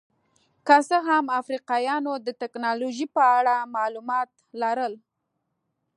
که څه هم افریقایانو د ټکنالوژۍ په اړه معلومات لرل.